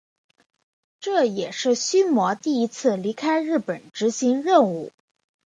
这也是须磨第一次离开日本执行任务。